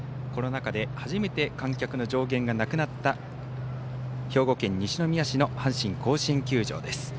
コロナ禍で初めて観客の上限がなくなった兵庫県西宮市の阪神甲子園球場です。